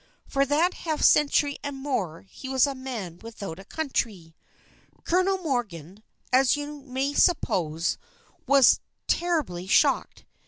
For that half century and more he was a man without a country. Colonel Morgan, as you may suppose, was terribly shocked.